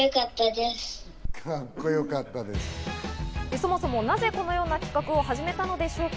そもそもなぜ、このような企画を始めたのでしょうか？